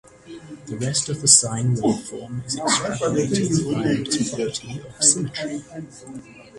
The rest of the sine-waveform is extrapolated via its property of symmetry.